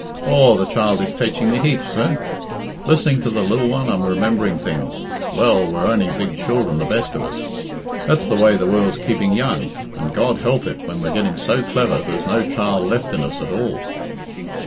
Aw, the child is taiching me heaps, sir. Listening to the lil one I'm remembering things. Well, we're only big children, the best of us. That's the way the world's keeping young, and God help it when we're getting so clever there's no child left in us at all."